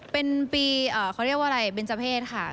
เป็นปีเขาเรียกว่าอะไรเบนเจอร์เพศค่ะ